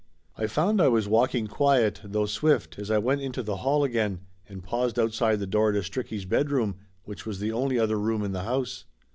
I found I was walking quiet, though swift, as I went into the hall again and paused outside the door to Stricky's bedroom, which was the only other room in the house.